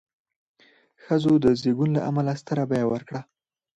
ښځو د زېږون له امله ستره بیه ورکړه.